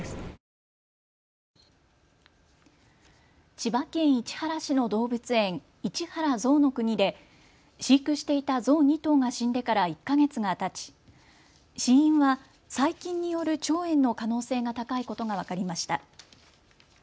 千葉県市原市の動物園、市原ぞうの国で飼育していたゾウ２頭が死んでから１か月がたち、死因は細菌による腸炎の可能性が高いことが分かりました。